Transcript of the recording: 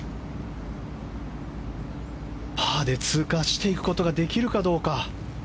パーで通過していくことができるかどうか。